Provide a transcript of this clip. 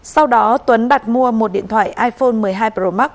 sau đó tuấn đặt mua một điện thoại iphone một mươi hai pro max